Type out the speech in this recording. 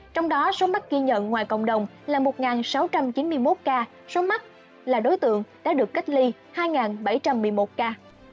trong đó số mắc ghi nhận ngoài cộng đồng là một sáu trăm chín mươi một ca số mắc là đối tượng đã được cách ly hai bảy trăm một mươi một ca